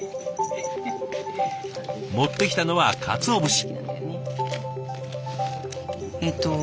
持ってきたのはかつお節。